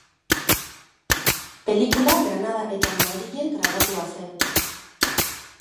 Pelikula Granada eta Madrilen grabatua zen.